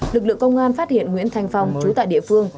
lực lượng công an phát hiện nguyễn thanh phong trú tại địa phương